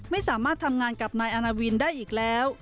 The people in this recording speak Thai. ไม่สามารถทำงานกับนายอาณาวินได้อีกแล้ว